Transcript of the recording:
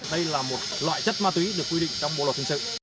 đây là một loại chất ma túy được quy định trong bộ luật hình sự